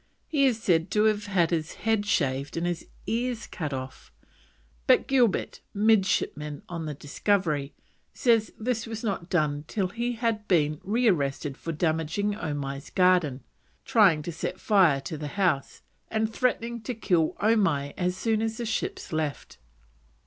He is said to have had his head shaved and his ears cut off, but Gilbert (midshipman on the Discovery) says this was not done till he had been rearrested for damaging Omai's garden, trying to set fire to the house, and threatening to kill Omai as soon as the ships left.